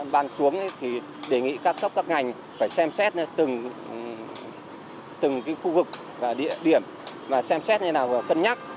ban xuống thì đề nghị các cấp các ngành phải xem xét từng khu vực và địa điểm và xem xét như thế nào và cân nhắc